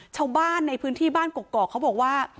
ชาวบ้านในพื้นที่บ้านกกอกเขาบอกว่า